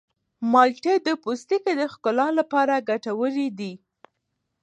مالټې د پوستکي د ښکلا لپاره ګټورې دي.